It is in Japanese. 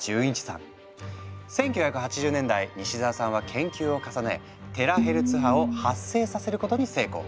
１９８０年代西澤さんは研究を重ねテラヘルツ波を発生させることに成功。